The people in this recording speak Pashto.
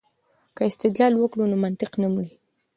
که استدلال وکړو نو منطق نه مري.